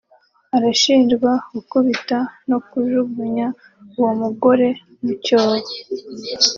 arashinjwa gukubita no kujugunya uwo mugore mu cyobo